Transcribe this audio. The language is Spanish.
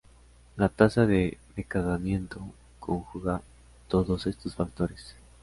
La tasa de decaimiento conjuga todos estos factores.